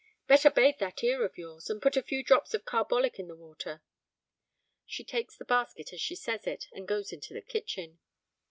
'Better bathe that ear of yours, and put a few drops of carbolic in the water.' She takes the basket as she says it, and goes into the kitchen.